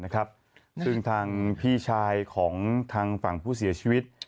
ซึ่งทางพี่ชายของทางฝั่งผู้เสียชีวิต